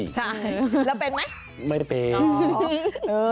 ใช่แล้วเป็นไหมไม่เป็นอ๋อใช่